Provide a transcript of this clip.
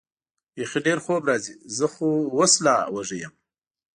بېخي ډېر خوب راځي، زه خو اوس لا وږی یم.